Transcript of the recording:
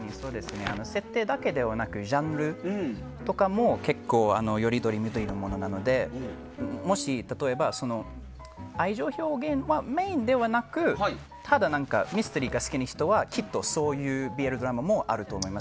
設定だけではなくジャンルとかも結構より取り見取りのものなのでもし、例えば愛情表現がメインではなくただ、ミステリーが好きな人はきっと、そういうＢＬドラマもあると思います。